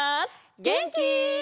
げんき？